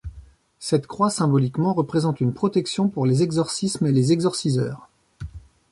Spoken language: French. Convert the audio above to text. Cette croix, symboliquement, représente une protection pour les exorcismes et les exorciseurs.